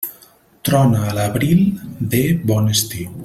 Trona a l'abril, ve bon estiu.